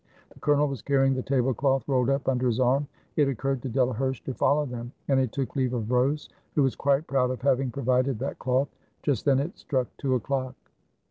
The colonel was carrying the tablecloth, rolled up, under his arm. It occurred to Delaherche to follow them, and he took leave of Rose, who was quite proud of having provided that cloth. Just then it struck two o'clock.